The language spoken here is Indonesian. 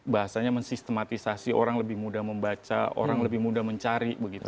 bahasanya mensistematisasi orang lebih mudah membaca orang lebih mudah mencari begitu